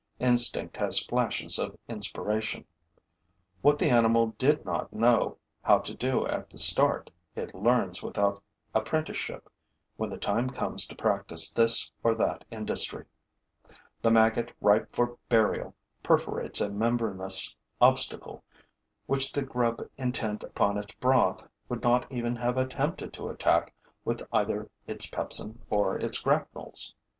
Instinct has flashes of inspiration. What the animal did not know how to do at the start it learns without apprenticeship when the time comes to practice this or that industry. The maggot ripe for burial perforates a membranous obstacle which the grub intent upon its broth would not even have attempted to attack with either its pepsin or its grapnels.